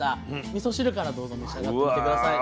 みそ汁からどうぞ召し上がって下さい。